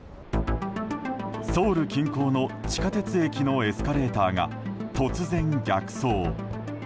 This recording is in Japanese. ソウル近郊の地下鉄駅のエスカレーターが突然逆走。